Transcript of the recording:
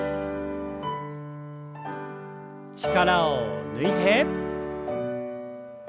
力を抜いて。